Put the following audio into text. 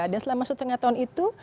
dan selama setengah tahun itu